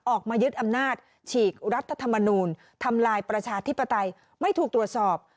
ออกมายึดอำนาจฉีกรัฐธรรมนูลทำลายประชาธิปไตยไม่ถูกตรวจสอบ